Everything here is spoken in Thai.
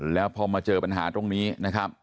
แล้วพอมาเจอปัญหาตรงนี้นะครับ